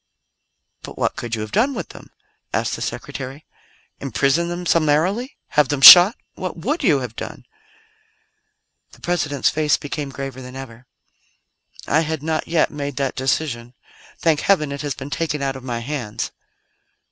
"But what could you have done with them?" asked the Secretary. "Imprison them summarily? Have them shot? What would you have done?" The President's face became graver than ever. "I had not yet made that decision. Thank Heaven, it has been taken out of my hands."